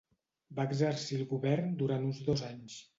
Va exercir el govern durant uns dos anys.